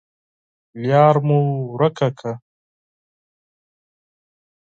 لار مو ورکه کړه .